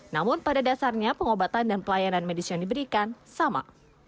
namun pada dasarnya pengobatan dan pelayanan medis yang diberikan sama